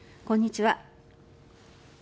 こんにちは。